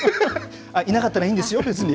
いなかったらいいんですよ、別に。